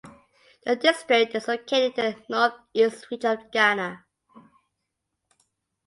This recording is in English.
The district is located in the North East Region of Ghana.